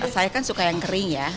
saya kan suka yang kering ya